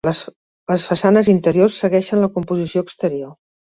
Les façanes interiors segueixen la composició exterior.